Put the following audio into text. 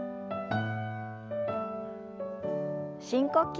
深呼吸。